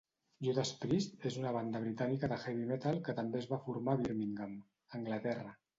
Judas Priest és una banda britànica de heavy metal que també es va formar a Birmingham, Anglaterra.